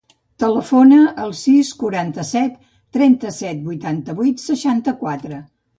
Telefona al sis, quaranta-set, trenta-set, vuitanta-vuit, seixanta-quatre.